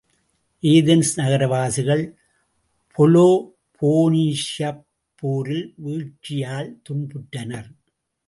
Athens நகரவாசிகள் பொலோபோனேஷியப் போரில் வீழ்ச்சியால் துன்புற்றனர்.